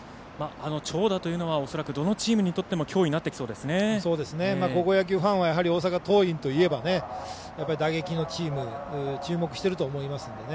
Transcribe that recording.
長打というのはどのチームにとっても高校野球ファンは大阪桐蔭といえば打撃のチーム注目してると思いますので。